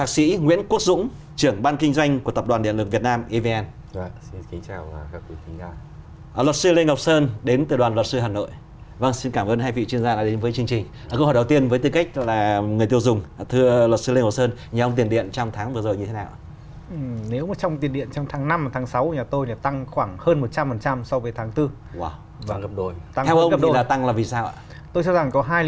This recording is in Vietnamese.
xin kính chào các quý khán giả